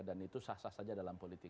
dan itu sah sah saja dalam politik